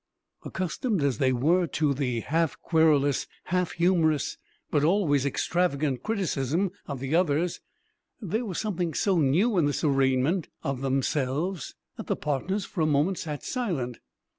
Accustomed as they were to the half querulous, half humorous, but always extravagant, criticism of the others, there was something so new in this arraignment of themselves that the partners for a moment sat silent.